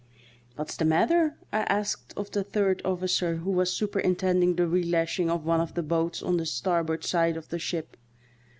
"What's the matter?" I asked of the third officer, who was superintending the relashing of one of the boats on the starboard side of the ship.